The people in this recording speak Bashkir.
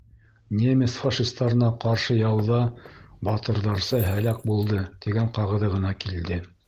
«Немец фашистарына ҡаршы яуҙа батырҙарса һәләк булды» тигән ҡағыҙы ғына килде.